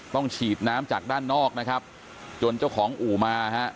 ฉีดน้ำจากด้านนอกนะครับจนเจ้าของอู่มาฮะ